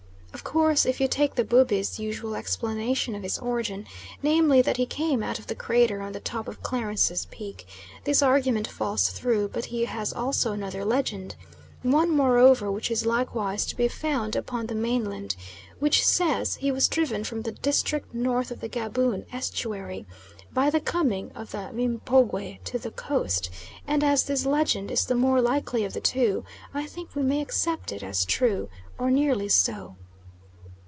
Of course, if you take the Bubi's usual explanation of his origin, namely that he came out of the crater on the top of Clarence Peak, this argument falls through; but he has also another legend, one moreover which is likewise to be found upon the mainland, which says he was driven from the district north of the Gaboon estuary by the coming of the M'pongwe to the coast, and as this legend is the more likely of the two I think we may accept it as true, or nearly so.